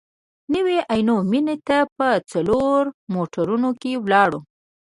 نوي عینو مېنې ته په څلورو موټرونو کې ولاړو.